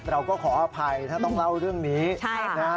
เราก็ขออภัยถ้าต้องเล่าเรื่องนี้ใช่นะฮะ